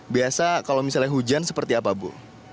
biasa kalau misalnya hujan seperti apa bu